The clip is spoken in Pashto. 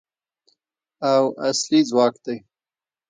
او اصلي ځواک دی.